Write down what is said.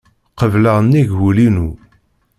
Qebleɣ nnig wul-inu.